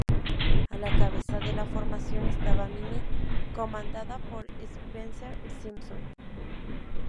A la cabeza de la formación estaba "Mimi", comandada por Spicer-Simson.